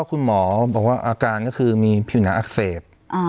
คุณหมอบอกว่าอาการก็คือมีผิวหนังอักเสบ